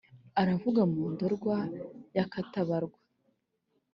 Aravuga mu Ndorwa ya Katabarwa